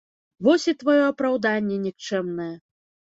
Вось і тваё апраўданне нікчэмнае.